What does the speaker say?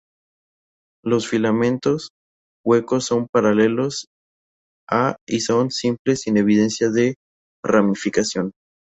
Los filamentos huecos son paralelos a y son simples sin evidencia de ramificación.